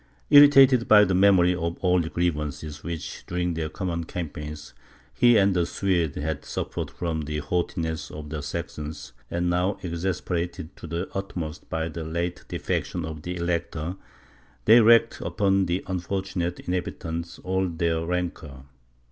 Irritated by the memory of old grievances which, during their common campaigns, he and the Swedes had suffered from the haughtiness of the Saxons, and now exasperated to the utmost by the late defection of the Elector, they wreaked upon the unfortunate inhabitants all their rancour.